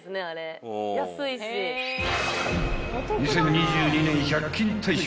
［２０２２年１００均大賞］